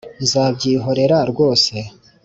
nzabyihorera rwose